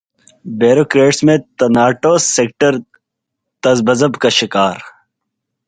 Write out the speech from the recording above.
bureaucrats میں تنا اٹو سیکٹر تذبذب کا شکار